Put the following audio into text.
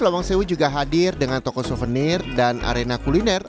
lawang sewu juga hadir dengan toko souvenir dan arena kuliner